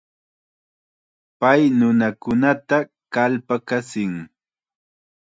Pay nunakunata kallpakachin.